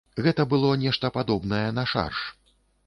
Гэта было нешта падобнае на шарж.